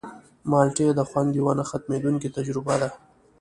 مالټې د خوند یوه نه ختمېدونکې تجربه ده.